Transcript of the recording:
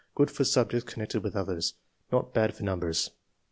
; good for subjects connected with others; not bad for numbers.